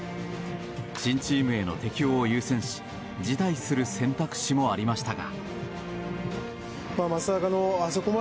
新チームへの適応を優先し辞退する選択肢もありましたが。